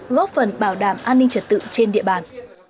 góp phần bảo đảm an ninh trật tự trên địa bàn